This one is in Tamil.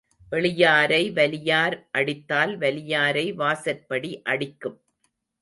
எளியாரை வலியார் அடித்தால் வலியாரை வாசற்படி அடிக்கும்.